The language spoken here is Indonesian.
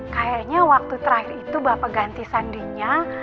kayaknya waktu terakhir itu bapak ganti sandinya